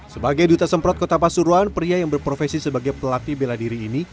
sebagai duta semprot kota pasuruan pria yang berprofesi sebagai pelatih bela diri ini